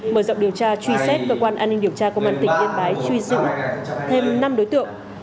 mở rộng điều tra truy xét cơ quan an ninh điều tra công an tỉnh yên bái truy giữ thêm năm đối tượng